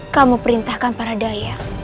kamu perintahkan para daya